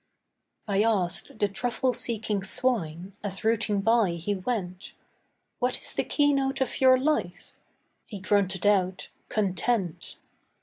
I asked the truffle seeking swine, as rooting by he went, 'What is the keynote of your life?' He grunted out, 'Content.